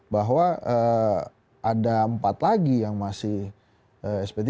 bahwa ada empat lagi yang masih sp tiga